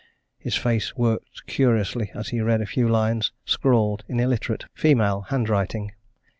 His face worked curiously as he read a few lines, scrawled in illiterate, female handwriting.